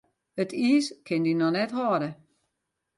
It iis kin dy noch net hâlde.